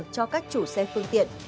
cho các chủ xe phương tiện